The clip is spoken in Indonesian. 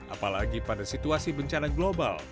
apalagi pada situasi bencana global